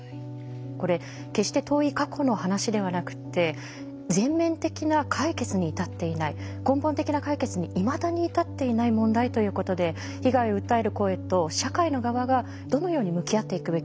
これ決して遠い過去の話ではなくって全面的な解決に至っていない根本的な解決にいまだに至っていない問題ということで被害を訴える声と社会の側がどのように向き合っていくべきなのか。